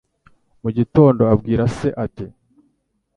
Mu gitondo abwira se ati